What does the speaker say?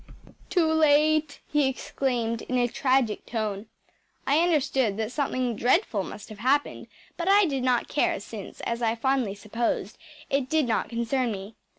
“Too late!‚ÄĚ he exclaimed in a tragic tone. I understood that something dreadful must have happened, but I did not care, since, as I fondly supposed, it did not concern me.